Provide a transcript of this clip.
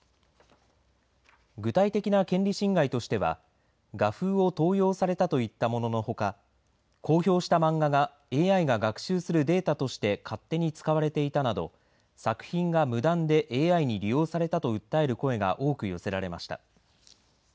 具体的な権利侵害としては画風を盗用されたといったもののほか公表した漫画がＡＩが学習するデータとして勝手に使われていたなど作品が無断でＡＩに利用されたと訴える声が多く寄せられました。